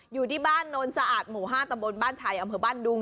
อยู่ที่บ้านโนนสะอาดหมู่๕ตำบลบ้านชัยอำเภอบ้านดุง